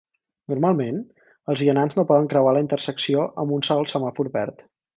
Normalment, els vianants no poden creuar la intersecció amb un sol semàfor verd.